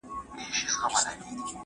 هغه سړی وویل چي زه ځان ښه پیژنم.